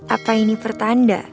apa ini pertanda